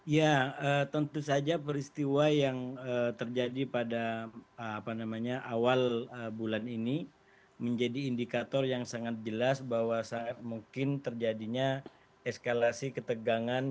ya tentu saja peristiwa yang terjadi pada awal bulan ini menjadi indikator yang sangat jelas bahwa mungkin terjadinya eskalasi ketegangan